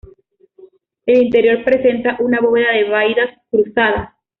El interior presenta una bóveda de vaídas cruzadas.